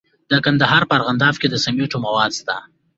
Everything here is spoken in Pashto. د کندهار په ارغنداب کې د سمنټو مواد شته.